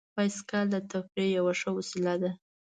بایسکل د تفریح یوه ښه وسیله ده.